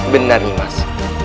benar nih mas